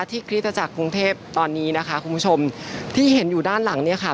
คริสตจักรกรุงเทพตอนนี้นะคะคุณผู้ชมที่เห็นอยู่ด้านหลังเนี่ยค่ะ